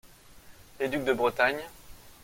Les ducs de Bretagne.